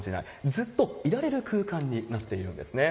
ずっといられる空間になっているんですね。